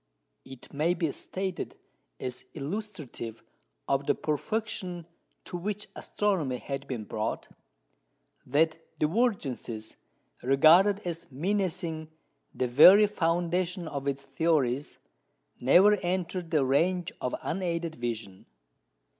It may be stated as illustrative of the perfection to which astronomy had been brought, that divergencies regarded as menacing the very foundation of its theories never entered the range of unaided vision.